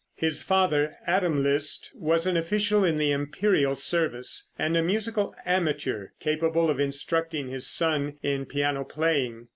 His father, Adam Liszt, was an official in the imperial service, and a musical amateur, capable of instructing his son in piano playing.